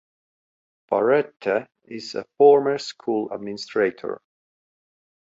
Barrette is a former school administrator.